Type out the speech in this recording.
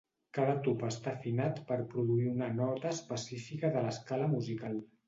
Cada tub està afinat per produir una nota específica de l'escala musical.